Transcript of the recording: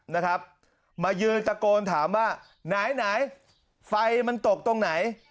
นะครับมายืนตะโกนถามว่าไหนไหนไฟมันตกตรงไหน